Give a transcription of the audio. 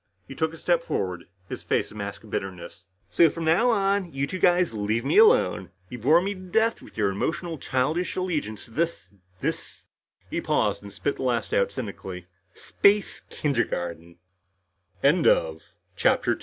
He took a step forward, his face a mask of bitterness. "So from now on, you two guys leave me alone. You bore me to death with your emotional childish allegiance to this this" he paused and spit the last out cynically "space